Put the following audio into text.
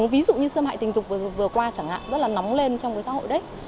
ví dụ như xâm hại tình dục vừa qua chẳng hạn rất là nóng lên trong cái xã hội đấy